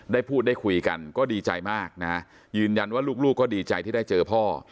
ได้พูดได้คุยกันก็ดีใจมากนะยืนยันว่าลูกก็ดีใจที่ได้เจอพ่อ